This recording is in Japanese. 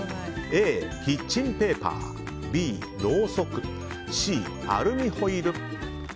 Ａ、キッチンペーパーＢ、ろうそくＣ、アルミホイル。